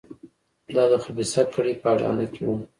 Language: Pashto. دا د خبیثه کړۍ په اډانه کې وو.